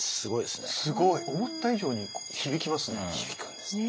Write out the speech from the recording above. すごい。思った以上に響きますね。